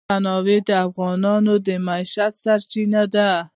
تنوع د افغانانو د معیشت سرچینه ده.